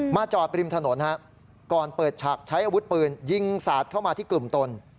จอดริมถนนก่อนเปิดฉากใช้อาวุธปืนยิงสาดเข้ามาที่กลุ่มตน